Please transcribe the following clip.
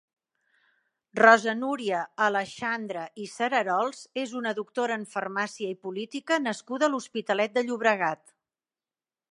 Rosa Núria Aleixandre i Cerarols és una doctora en farmàcia i política nascuda a l'Hospitalet de Llobregat.